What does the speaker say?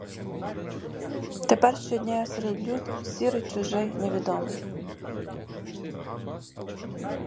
Тепер щодня я серед люду, сірий, чужий, невідомий.